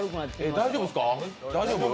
え、大丈夫ですか？